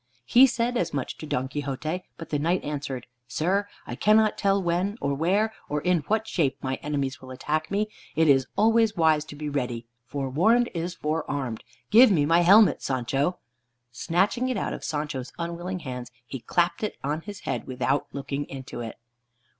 He said as much to Don Quixote, but the Knight answered: "Sir, I cannot tell when, or where, or in what shape, my enemies will attack me. It is always wise to be ready. Fore warned is fore armed. Give me my helmet, Sancho!" Snatching it out of Sancho's unwilling hands, he clapped it on his head without looking into it.